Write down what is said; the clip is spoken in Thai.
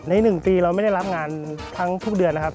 ๑ปีเราไม่ได้รับงานทั้งทุกเดือนนะครับ